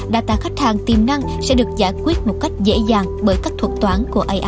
data khách hàng tiềm năng sẽ được giải quyết một cách dễ dàng bởi các thuật toán của ai